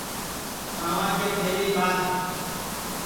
پاواں کے تھیگݪی ٻادھ